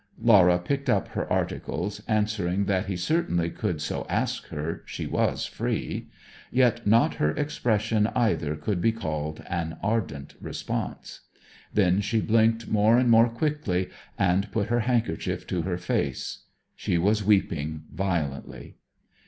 Laura picked up her articles, answering that he certainly could so ask her she was free. Yet not her expression either could be called an ardent response. Then she blinked more and more quickly and put her handkerchief to her face. She was weeping violently.